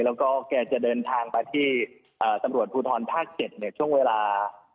แล้วก็แกจะเดินทางมาที่ตำรวจภูทรภาค๗เนี่ยช่วงเวลา